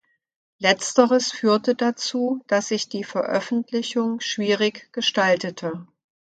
Letzteres führte dazu, dass sich die Veröffentlichung schwierig gestaltete.